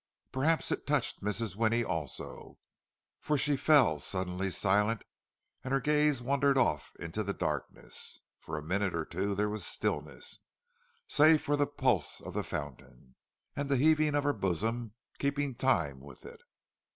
Perhaps it touched Mrs. Winnie also, for she fell suddenly silent, and her gaze wandered off into the darkness. For a minute or two there was stillness, save for the pulse of the fountain, and the heaving of her bosom keeping time with it.